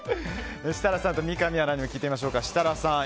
設楽さんと三上アナにも聞いてみましょう。